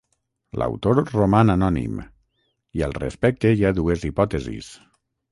L'autor roman anònim i al respecte hi ha dues hipòtesis.